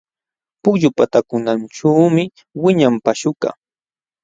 Pukyu patankunaćhuumi wiñan paśhukaq.